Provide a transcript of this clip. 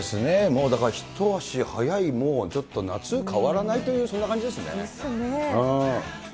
もうだから、一足早い、もうちょっと、夏変わらない、そんな感じですね。